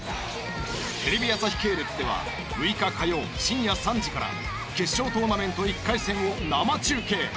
テレビ朝日系列では６日火曜深夜３時から決勝トーナメント１回戦を生中継！